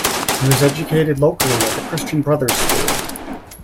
He was educated locally at the Christian Brothers School.